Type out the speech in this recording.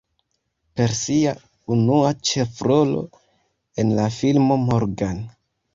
Per sia unua ĉefrolo en la filmo "Morgan.